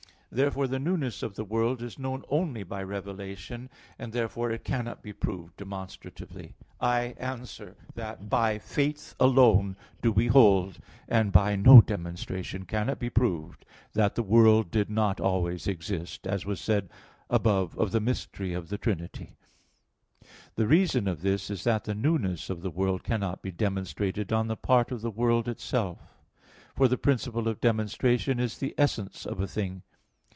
Therefore the newness of the world is known only by revelation; and therefore it cannot be proved demonstratively. I answer that, By faith alone do we hold, and by no demonstration can it be proved, that the world did not always exist, as was said above of the mystery of the Trinity (Q. 32, A. 1). The reason of this is that the newness of the world cannot be demonstrated on the part of the world itself. For the principle of demonstration is the essence of a thing.